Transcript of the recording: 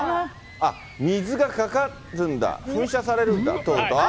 水がかかるんだ、噴射されるんだ。